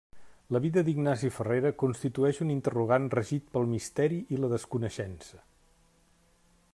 La vida d'Ignasi Ferrera constitueix un interrogant regit pel misteri i la desconeixença.